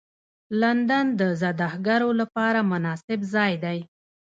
لندن د زدهکړو لپاره مناسب ځای دی